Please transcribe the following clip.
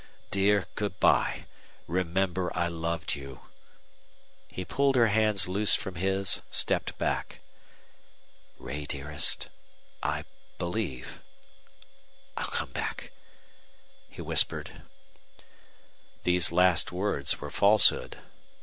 Dear, good by! Remember I loved you." He pulled her hands loose from his, stepped back. "Ray, dearest I believe I'll come back!" he whispered. These last words were falsehood.